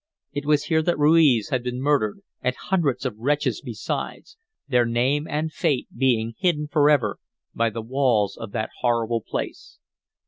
It was here that Ruiz had been murdered, and hundreds of wretches besides their name and fate being hidden forever by the walls of that horrible place.